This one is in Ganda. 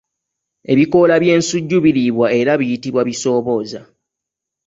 Ebikoola by’ensujju biriibwa era biyitibwa bisoobooza.